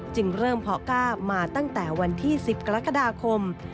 จึงเริ่มเพาะก้ามาตั้งแต่วันที่๑๐กรกฎาคม